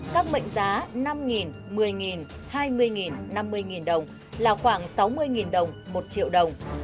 các mệnh giá năm một mươi hai mươi năm mươi đồng là khoảng sáu mươi đồng một triệu đồng